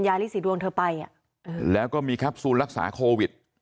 แต่แหละก็มีครับสูตรรักษาโควิด